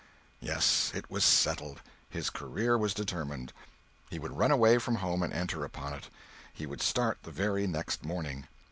Yes, it was settled; his career was determined. He would run away from home and enter upon it. He would start the very next morning.